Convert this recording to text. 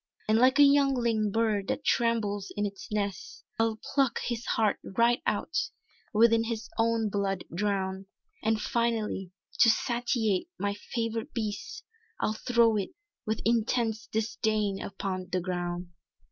"And like a youngling bird that trembles in its nest, I'll pluck his heart right out; within its own blood drowned, And finally to satiate my favourite beast, I'll throw it with intense disdain upon the ground!"